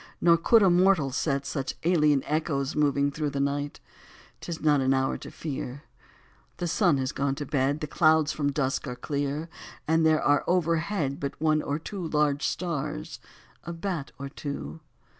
Nor could a mortal set Such alien echoes moving through the night. 'Tis not an hour to fear : The sun is gone to bed, The clouds from dusk are clear. And there are overhead But one or two large stars, A bat or two.